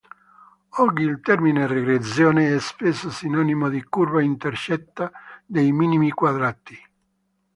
Oggi il termine "regressione" è spesso sinonimo di "curva intercetta dei minimi quadrati".